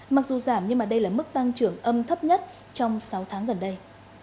mặc dù giảm nhưng đây là mức tăng trưởng âm thấp nhất trong sáu tháng gần đây